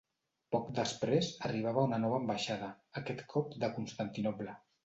Poc després, arribava una nova ambaixada, aquest cop de Constantinoble.